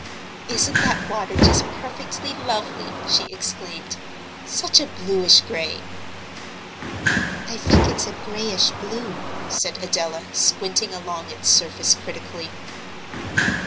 "Isn't that water just perfectly lovely!" she exclaimed; "such a bluish grey." "I think it's a greyish blue," said Adela, squinting along its surface critically.